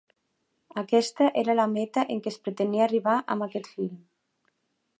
Aquesta era la meta a què es pretenia arribar amb aquest film.